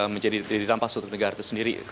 menjadi dirampas untuk negara itu sendiri